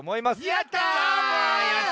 やった！